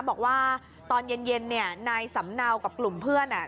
บอกว่าตอนเย็นนายสำเนากับกลุ่มเพื่อนอ่ะ